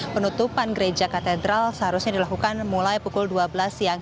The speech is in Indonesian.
penutupan gereja katedral seharusnya dilakukan mulai pukul dua belas siang